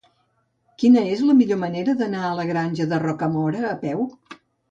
Quina és la millor manera d'anar a la Granja de Rocamora a peu?